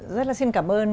rất là xin cảm ơn